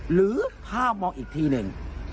หรือภาพมองอีกทีหนึ่ง